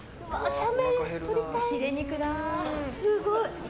写メ撮りたい。